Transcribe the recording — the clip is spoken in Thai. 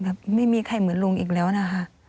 ไม่มีใครเหมือนลุงอีกแล้วนะคะ